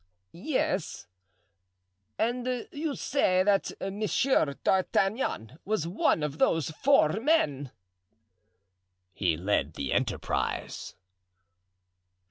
"Yes. And you say that Monsieur d'Artagnan was one of those four men?" "He led the enterprise."